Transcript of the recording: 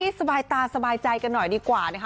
สบายตาสบายใจกันหน่อยดีกว่านะคะ